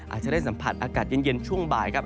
อาจจะได้สัมผัสอากาศเย็นช่วงบ่ายครับ